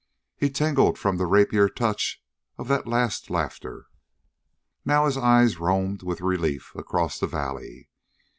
He tingled from the rapier touches of that last laughter. Now his eyes roamed with relief across the valley.